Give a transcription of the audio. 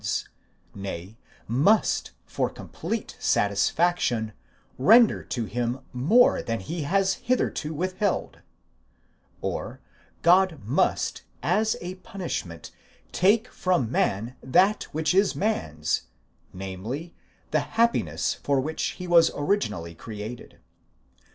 763 God's, nay, must, for complete satisfaction, render to him more than he has hitherto withheld ; or, God must as a punishment take from man that which is man's, namely, the happiness for which he was originally created.